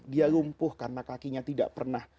dia lumpuh karena kakinya tidak pernah